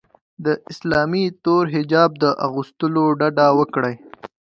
د اسلامي تور حجاب له اغوستلو ډډه وکړي